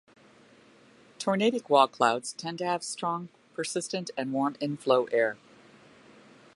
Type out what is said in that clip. Tornadic wall clouds tend to have strong, persistent, and warm inflow air.